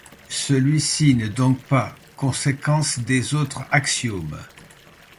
Celui-ci n'est donc pas conséquence des autres axiomes.